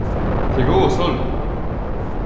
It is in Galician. Chegou o sol!